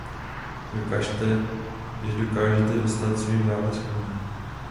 Dokažte, že dokážete dostát svým závazkům!